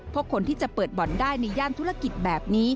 เพราะคนที่จะเปิดบ่อนได้ในย่านธุรกิจแบบนี้